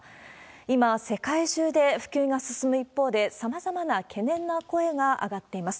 今、世界中で普及が進む一方で、さまざまな懸念の声が上がっています。